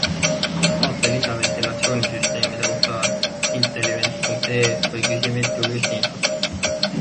Vaata lisa ventilatsioonisüsteemide kohta intelivent.ee või küsi meilt julgesti infot.